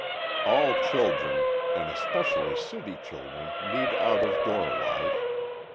] All children, and especially city children, need out of door life.